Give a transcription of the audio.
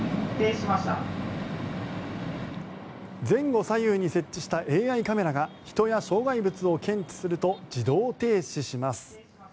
前後左右に設置したＡＩカメラが人や障害物を検知すると自動停止します。